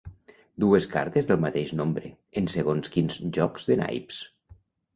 Dues cartes del mateix nombre, en segons quins jocs de naips.